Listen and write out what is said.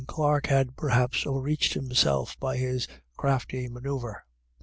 Clarke had perhaps overreached himself by his crafty manoeuvre.